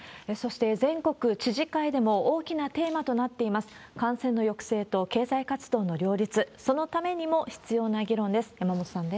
そして、全国知事会でも大きなテーマとなっています、感染の抑制と経済活動の両立、そのためにも必要な議論です。